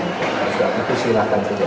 dan setelah itu silakan kejar